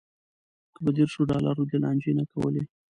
که په دېرش ډالرو دې لانجې نه کولی.